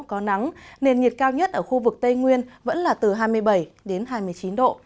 có nắng nền nhiệt cao nhất ở khu vực tây nguyên vẫn là từ hai mươi bảy đến hai mươi chín độ